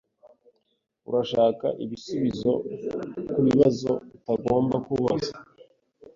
Urashaka ibisubizo kubibazo utagomba kubaza.